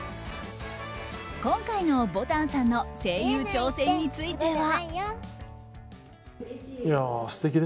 今回のぼたんさんの声優挑戦については。